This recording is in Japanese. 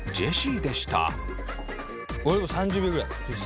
俺もう３０秒ぐらい。